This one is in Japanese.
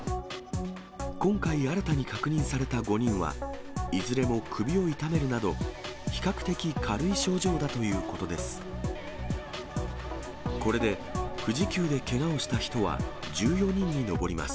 今回、新たに確認された５人は、いずれも首を痛めるなど、比較的軽い症状だということです。